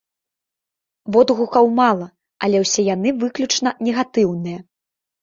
Водгукаў мала, але ўсе яны выключна негатыўныя.